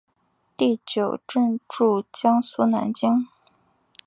第九镇驻江苏南京。